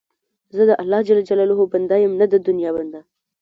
زه د الله جل جلاله بنده یم، نه د دنیا بنده.